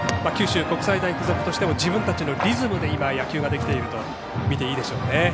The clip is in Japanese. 九州国際大付属としても自分たちのリズムで今、野球ができているとみていいでしょうね。